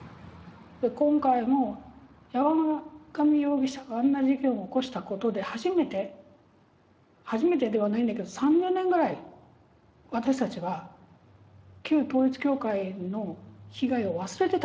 今回も山上容疑者があんな事件を起こしたことで初めて初めてではないんだけど３０年ぐらい私たちは旧統一教会の被害を忘れてた。